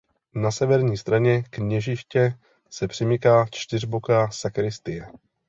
Na severní straně kněžiště se přimyká čtyřboká sakristie.